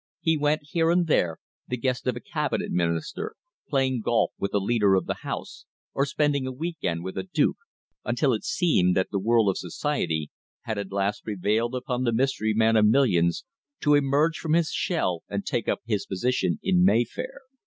He went here and there, the guest of a Cabinet Minister, playing golf with a Leader of the House, or spending a week end with a Duke, until it seemed that the world of Society had at last prevailed upon the mystery man of millions to emerge from his shell and take up his position in Mayfair.